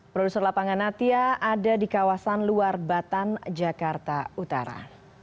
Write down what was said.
produser lapangan natia ada di kawasan luar batan jakarta utara